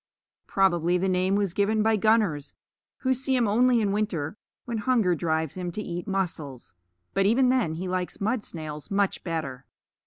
Probably the name was given by gunners, who see him only in winter when hunger drives him to eat mussels but even then he likes mud snails much better.